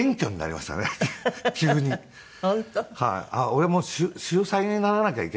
俺も秀才にならなきゃいけない